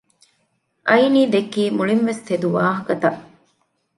އައިނީ ދެއްކީ މުޅިންވެސް ތެދު ވާހަކަތައް